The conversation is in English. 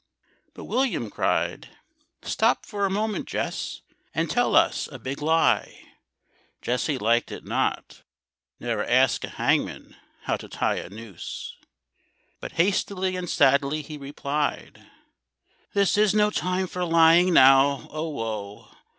But William cried, "Stop for a moment, Jess, And tell us a big lie." Jesse liked it not. Ne'er ask a hangman how to tie a noose. But hastily and sadly he replied, "This is no time for lying now; oh, woe!"